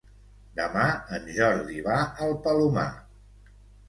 Demà en Jordi va al Palomar.